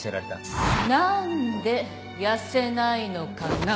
何で痩せないのかな？